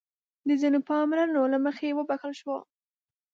د ځينو پاملرنو له مخې وبښل شو.